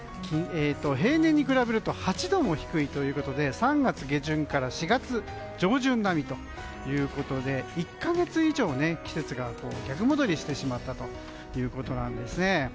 平年に比べると８度も低いということで３月下旬から４月上旬並みということで１か月以上、季節が逆戻りしてしまったということですね。